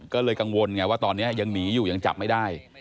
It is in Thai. ก็เลยกังวลไงว่าตอนนี้ยังหนีอยู่ยังจับไม่ได้